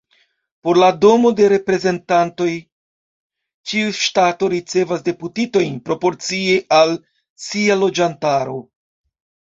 Por la Domo de Reprezentantoj, ĉiu ŝtato ricevas deputitojn proporcie al sia loĝantaro.